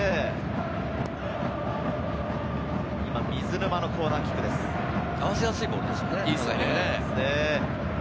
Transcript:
水沼のコーナーキックで合わせやすいボールだよね。